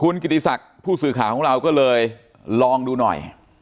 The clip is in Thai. คุณกิติศักดิ์ผู้สื่อข่าวของเราก็เลยลองดูหน่อย